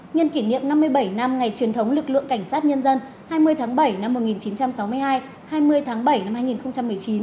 nhân kỷ niệm năm mươi bảy năm ngày truyền thống lực lượng cảnh sát nhân dân hai mươi tháng bảy năm một nghìn chín trăm sáu mươi hai hai mươi tháng bảy năm hai nghìn một mươi chín